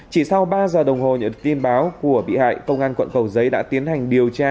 chỉ sau ba giờ đồng hồ nhận được tin báo của bị hại công an quận cầu giấy đã tiến hành điều tra